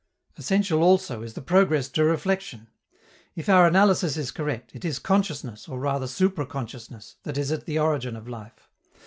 Essential also is the progress to reflexion. If our analysis is correct, it is consciousness, or rather supra consciousness, that is at the origin of life.